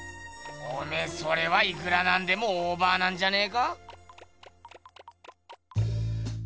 おめえそれはいくらなんでもオーバーなんじゃねえか？